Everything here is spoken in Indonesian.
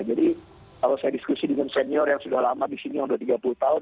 kalau saya diskusi dengan senior yang sudah lama disini sudah tiga puluh tahun